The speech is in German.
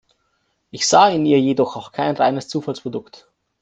Ich sah in ihr jedoch auch kein reines Zufallsprodukt.